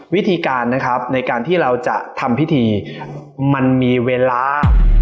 วิธีการนะครับในการที่เราจะทำพิธีมันมีเวลา